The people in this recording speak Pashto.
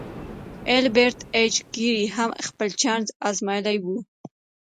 ایلبرټ ایچ ګیري هم خپل چانس ازمایلی و